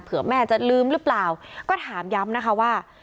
แม่จะลืมหรือเปล่าก็ถามย้ำนะคะว่า